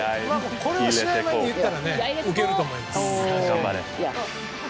これを試合前に言ったらウケると思います。